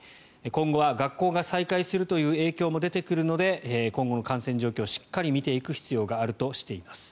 今後は学校が再開するという影響も出てくるので今後の感染状況をしっかり見ていく必要があるとしています。